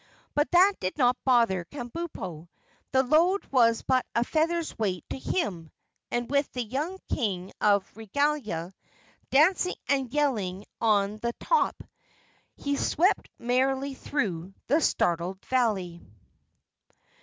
But that did not bother Kabumpo. The load was but a feather's weight to him, and with the young King of Regalia dancing and yelling on the top, he swept merrily through the startled valley.